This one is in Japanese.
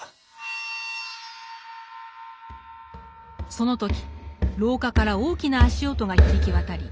その時廊下から大きな足音が響き渡り